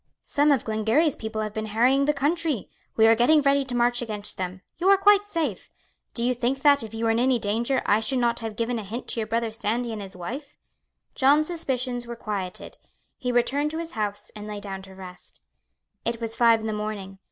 "Some of Glengarry's people have been harrying the country. We are getting ready to march against them. You are quite safe. Do you think that, if you were in any danger, I should not have given a hint to your brother Sandy and his wife?" John's suspicions were quieted. He returned to his house, and lay down to rest. It was five in the morning.